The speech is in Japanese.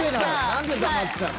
なんで黙ってたの？